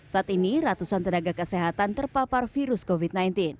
saat ini ratusan tenaga kesehatan terpapar virus covid sembilan belas